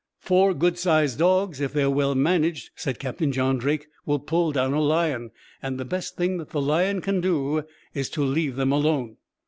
"Four good sized dogs, if they are well managed," said Captain John Drake, "will pull down a lion; and the best thing that the lion can do is to leave them alone.